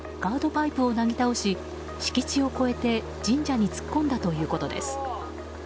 パイプをなぎ倒し敷地を越えて神社に突っ込んだということです。